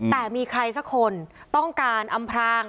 แต่มีใครสักคนต้องการอำพราง